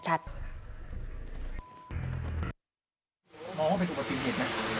มองว่าเป็นอุบัติเหตุไหม